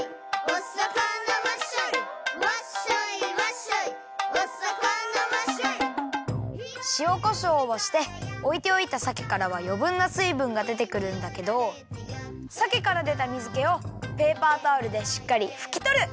「おさかなワッショイ」しおこしょうをしておいておいたさけからはよぶんなすいぶんがでてくるんだけどさけからでたみずけをペーパータオルでしっかりふきとる。